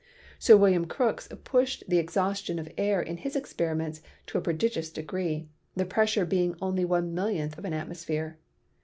Sir William Crookes pushed the exhaustion of air in his experiments to a prodigious degree, the pressure being only one millionth of an at mosphere.